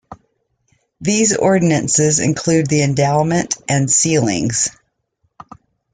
These ordinances include the endowment and sealings.